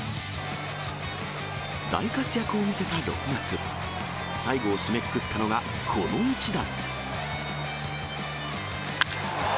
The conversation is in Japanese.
大活躍を見せた６月、最後を締めくくったのが、この一打。